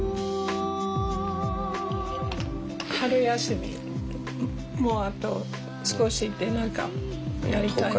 春休みもうあと少しで何かやりたい。